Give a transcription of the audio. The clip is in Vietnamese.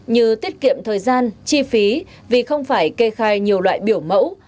như tiết kiệm thời gian chi phí vì không phải kê khai nhiều loại biểu mẫu